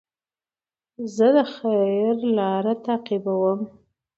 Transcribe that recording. زه د خیر لاره تعقیبوم.